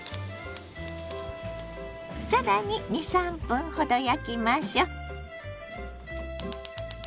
更に２３分ほど焼きましょ。